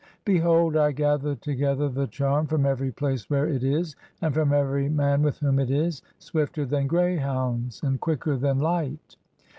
Behold, I gather together "the charm [from every place where] it is, and from every man "with whom it is, swifter than greyhounds and quicker than "light.